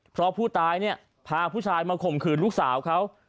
เพราะผู้ตายเนี่ยพาผู้ชายมาข่มขืนลูกสาวเขา